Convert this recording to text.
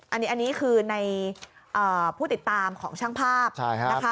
อันนี้คือในผู้ติดตามของช่างภาพนะคะ